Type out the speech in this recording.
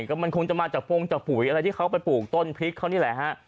ก็มันคงจะมาจากโปรงจากปุ๋ยอะไรที่เขาไปปลูกต้นพริกเขานี่แหละฮะ